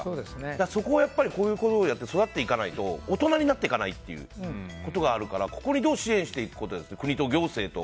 だからそこをやっぱりこういうことをやって育っていかないと大人になっていかないということがあるからここにどう支援していくかということですよね。